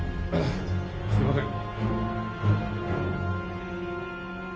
すいません。